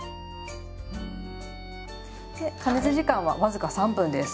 加熱時間は僅か３分です。